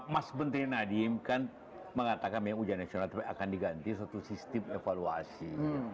mas menteri nadiem kan mengatakan ya ujian nasional akan diganti satu sistem evaluasi